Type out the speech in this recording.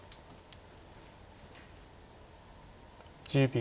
１０秒。